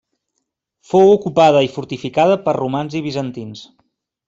Fou ocupada i fortificada per romans i bizantins.